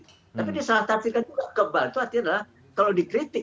tapi disalahkan juga kebal itu artinya adalah kalau dikritik